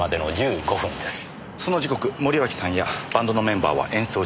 その時刻森脇さんやバンドのメンバーは演奏中。